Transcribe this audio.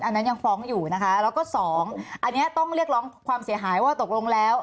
อันนั้นยังฟ้องอยู่นะคะแล้วก็สองอันนี้ต้องเรียกร้องความเสียหายว่าตกลงแล้ว